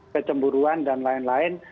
kecemburuan dan lain lain